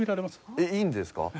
えっいいんですか？